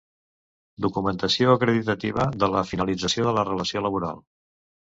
Documentació acreditativa de la finalització de la relació laboral.